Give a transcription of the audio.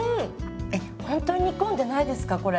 えっほんとに煮込んでないですかこれ。